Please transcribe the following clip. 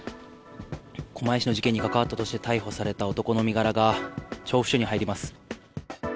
狛江市の事件に関わったとして逮捕された男の身柄が、調布署に入ります。